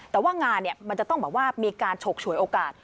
แต่ว่างานมันจะต้องแบบว่ามีการฉกฉวยโอกาส